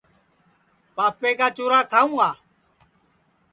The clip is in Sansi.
پاپے کا چُرا کھاؤں گا